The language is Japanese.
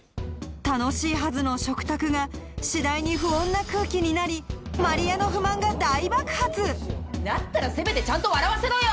楽しいはずの食卓が次第に不穏な空気になり万里江の不満が大爆発だったらせめてちゃんと笑わせろよ！